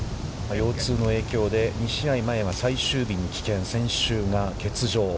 腰痛の影響で２試合前は最終日に棄権、先週が欠場。